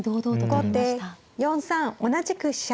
後手４三同じく飛車。